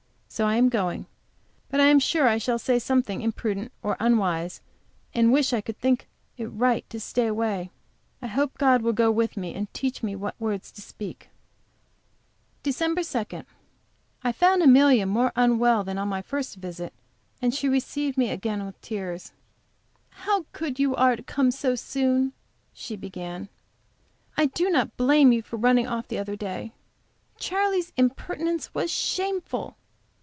So I am going. But, I am sure, I shall say something imprudent or unwise, and wish I could think it right to stay away. I hope God will go with me and teach me what words to speak. DEC. 2. I found Amelia more unwell than on my first visit, and she received me again with tears. "How good you are to come so soon," she began. "I did not blame you for running off the other day; Charley's impertinence was shameful.